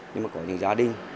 nhưng mà có những gia đình